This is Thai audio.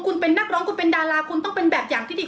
คุณเป็นนักร้องคุณเป็นดาราคุณต้องเป็นแบบอย่างที่ดี